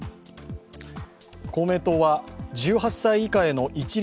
公明党は１８歳以下への一律